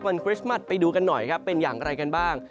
คริสต์มัสไปดูกันหน่อยครับเป็นอย่างไรกันบ้าง